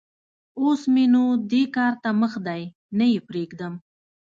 اوس م ېنو دې کار ته مخ دی؛ نه يې پرېږدم.